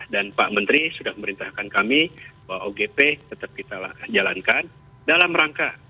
dan pak menteri sudah memerintahkan kami bahwa ogp tetap kita jalankan dalam rangka